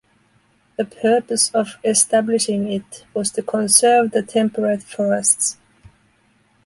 The purpose of establishing it was to conserve the temperate forests.